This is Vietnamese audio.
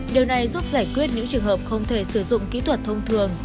điều này giúp giải quyết những trường hợp không thể sử dụng kỹ thuật thông thường